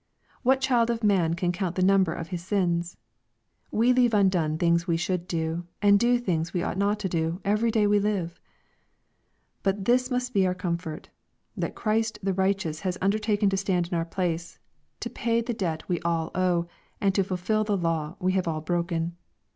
— What child of man can count the number of his sins ? We leave undone things we should do and do things we ought not to do, every day we liv^r~ But this must be our comfort, that Christ the Kighteous has undertaken to stand in our place, to pay the debt we all owe, and to fulfil the law we have all broken.